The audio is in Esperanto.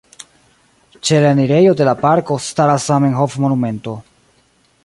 Ĉe la enirejo de la parko staras Zamenhof-monumento.